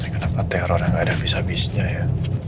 kenapa teror yang nggak ada abis abisnya ya